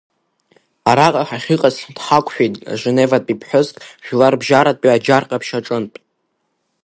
Араҟа ҳахьыҟаз дҳақәшәеит женеватәи ԥҳәыск, Жәларбжьаратәи аџьар ҟаԥшь аҿынтә.